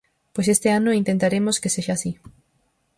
Pois este ano intentaremos que sexa así.